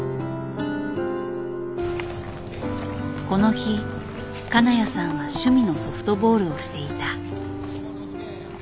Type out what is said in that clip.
この日金谷さんは趣味のソフトボールをしていた。